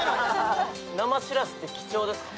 生しらすって貴重ですかね？